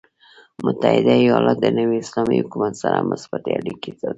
متحده ایالات د نوي اسلامي حکومت سره مثبتې اړیکې ساتي.